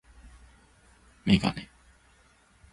メガネ